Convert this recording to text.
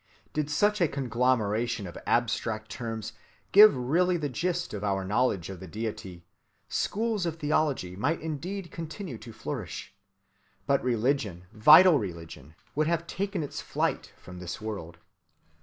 Did such a conglomeration of abstract terms give really the gist of our knowledge of the deity, schools of theology might indeed continue to flourish, but religion, vital religion, would have taken its flight from this world.